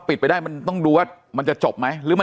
ก็เป็นสถานที่ตั้งมาเพลงกุศลศพให้กับน้องหยอดนะคะ